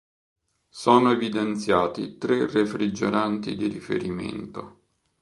Sono evidenziati tre refrigeranti di riferimento.